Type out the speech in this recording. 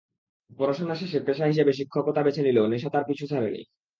পড়াশোনা শেষে পেশা হিসেবে শিক্ষকতা বেছে নিলেও নেশা তাঁর পিছু ছাড়েনি।